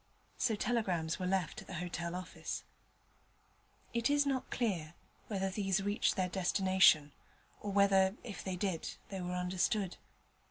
So telegrams were left at the hotel office. It is not clear whether these reached their destination, or whether, if they did, they were understood.